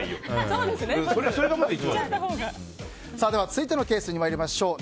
続いてのケースに参りましょう。